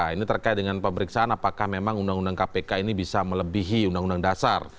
ini terkait dengan pemeriksaan apakah memang undang undang kpk ini bisa melebihi undang undang dasar